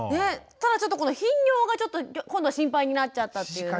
ただちょっとこの頻尿が今度は心配になっちゃったというね。